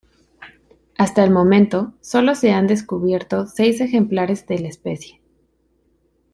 Hasta el momento, sólo se han descubierto seis ejemplares de la especie.